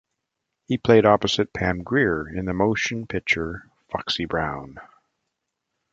He played opposite Pam Grier in the motion picture "Foxy Brown".